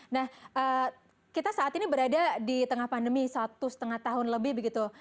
nah kita saat ini berada di tengah pandemi satu lima tahun lebih begitu